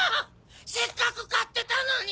せっかく勝ってたのに！